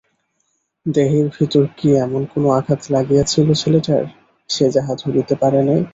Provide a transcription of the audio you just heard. দেহের ভিতরে কি এমন কোনো আঘাত লাগিয়াছিল ছেলেটার, সে যাহা ধরিতে পারে নাই?